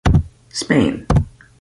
Spain.